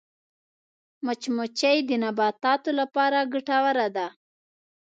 مچمچۍ د نباتاتو لپاره ګټوره ده